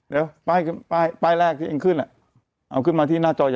เดี๋ยวป้ายแรกที่เอ้งคื่นเอาขึ้นมาที่หน้าจอใหญ่